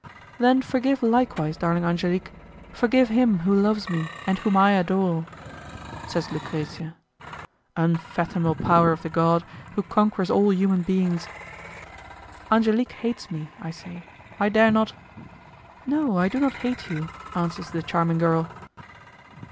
"Then forgive likewise, darling Angelique, forgive him who loves me, and whom I adore," says Lucrezia. Unfathomable power of the god who conquers all human beings! "Angelique hates me," I say, "I dare not...." "No, I do not hate you!" answers the charming girl.